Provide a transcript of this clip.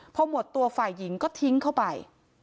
พอหมดตัวฝ่ายหญิงก็ทิ้งเข้าไป